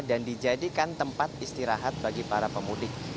dan dijadikan tempat istirahat bagi para pemudik